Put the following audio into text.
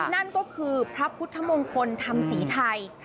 นั่นก็คือพระพุทธมงคลธรรมศรีไทย